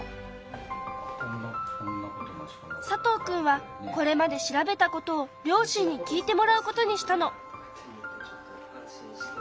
佐藤くんはこれまで調べたことを両親に聞いてもらうことにしたの。